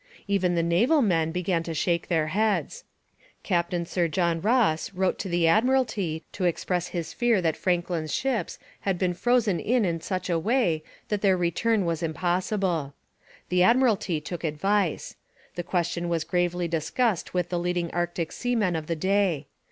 Even the naval men began to shake their heads. Captain Sir John Ross wrote to the Admiralty to express his fear that Franklin's ships had been frozen in in such a way that their return was impossible. The Admiralty took advice. The question was gravely discussed with the leading Arctic seamen of the day.